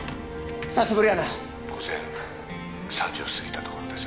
久しぶりやな午前３時を過ぎたところです